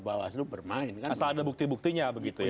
bawaslu bermain asal ada bukti buktinya begitu ya